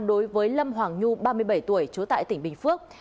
đối với lâm hoàng nhu ba mươi bảy tuổi trú tại tỉnh bình phước